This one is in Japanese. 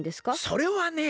それはね。